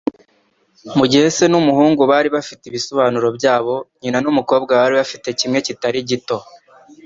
Mugihe se numuhungu bari bafite ibisobanuro byabo, nyina numukobwa bari bafite kimwe kitari gito.